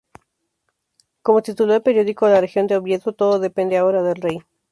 Como tituló el periódico La Región de Oviedo: "Todo depende ahora del rey".